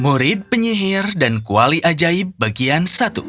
murid penyihir dan kuali ajaib bagian satu